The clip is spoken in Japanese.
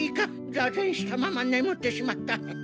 ざぜんしたままねむってしまった。